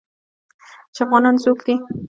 چې افغانان څوک دي.